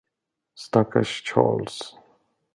Stackars Charles!